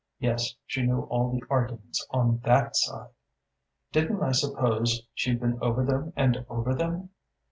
Yes: she knew all the arguments on that side: didn't I suppose she'd been over them and over them?